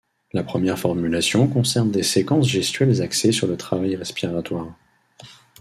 La première formulation concerne des séquences gestuelles axées sur le travail respiratoire.